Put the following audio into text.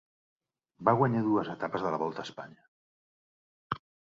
Va guanyar dues etapes a la Volta a Espanya.